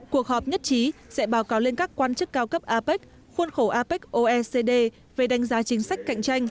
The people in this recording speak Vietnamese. cuộc họp nhất trí sẽ báo cáo lên các quan chức cao cấp apec